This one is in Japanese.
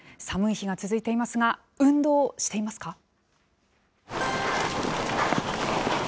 寒い日が続いていますが、運動していますか？